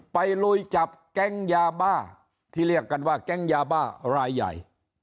ลุยจับแก๊งยาบ้าที่เรียกกันว่าแก๊งยาบ้ารายใหญ่